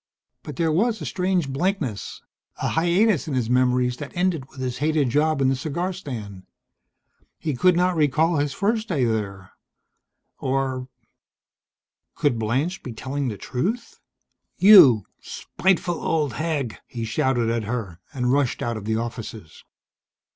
But there was a strange blankness, a hiatus in his memories, that ended with his hated job in the cigar stand. He could not recall his first day there or Could Blanche be telling the truth? "You spiteful old hag!" he shouted at her, and rushed out of the offices.